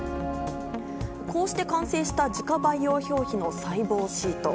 こうして完成した自家培養表皮の細胞シート。